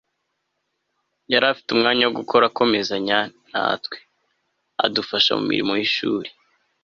yari afite umwanya wo gukora, akomezanya natwe, adufasha mu mirimo y'ishuri